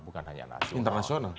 bukan hanya nasional